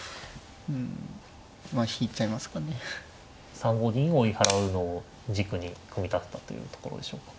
３五銀を追い払うのを軸に組み立てたというところでしょうか。